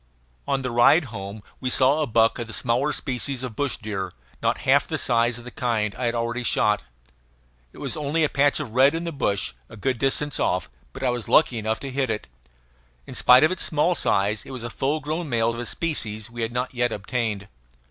On the ride home we saw a buck of the small species of bush deer, not half the size of the kind I had already shot. It was only a patch of red in the bush, a good distance off, but I was lucky enough to hit it. In spite of its small size it was a full grown male, of a species we had not yet obtained.